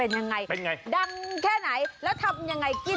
อร่อยอย่างนี้จินทั้งถุงนะบอกเลย